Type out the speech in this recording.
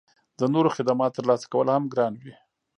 د نورو خدماتو ترلاسه کول هم ګران وي